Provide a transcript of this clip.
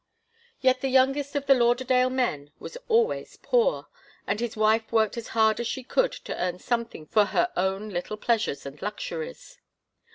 Yet the youngest of the Lauderdale men was always poor, and his wife worked as hard as she could to earn something for her own little pleasures and luxuries.